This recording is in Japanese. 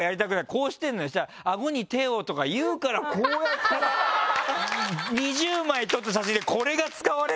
こうしてるのにさ「アゴに手を」とか言うからこうやったら２０枚撮った写真でこれが使われるのよ。